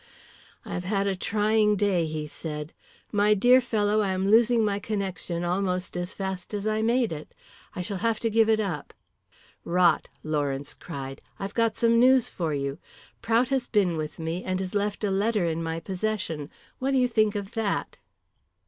"I have had a trying day," he said. "My dear fellow, I am losing my connection almost as fast as I made it. I shall have to give it up." "Rot!" Lawrence cried. "I've got some news for you. Prout has been with me and has left a letter in my possession. What do you think of that?"